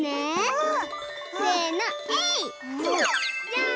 うん！